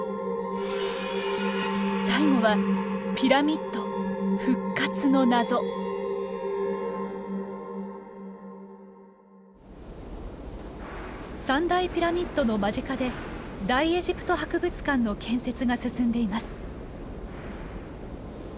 最後は三大ピラミッドの間近で大エジプト博物館の建設が進んでいます。